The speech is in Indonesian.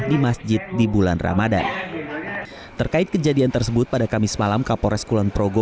di masjid di bulan ramadhan terkait kejadian tersebut pada kamis malam kapolres kulon progo